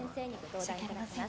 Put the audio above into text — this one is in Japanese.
申し訳ありません。